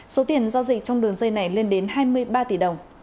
số tiền giao dịch trong đường dây này lên đến hai mươi ba tỷ đồng